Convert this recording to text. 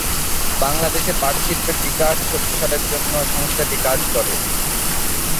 বাংলাদেশে পাট শিল্পের বিকাশ ও প্রসারের জন্য জন্য সংস্থাটি কাজ করে।